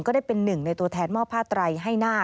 ได้เป็นหนึ่งในตัวแทนมอบผ้าไตรให้หน้า